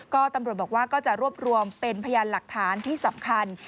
ก็ตำรวจบอกว่าก็จะรวบรวมเป็นพยานหลักฐานที่สำคัญ